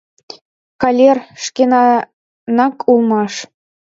Калер, шкенанак улмаш.